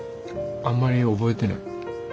あんまり覚えてない。